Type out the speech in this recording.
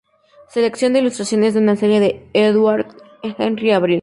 Selección de ilustraciones de una serie de Édouard-Henri Avril.